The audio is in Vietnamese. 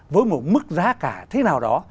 với một mức giá cả thế nào đó